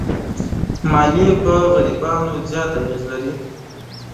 مالیې پر غریبانو زیات اغېز لري.